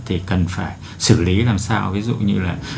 thì cần phải xử lý làm sao ví dụ như là